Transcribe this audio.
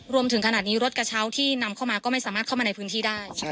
รวมถึงขนาดนี้รถกระเช้าที่นำเข้ามาก็ไม่สามารถเข้ามาในพื้นที่ได้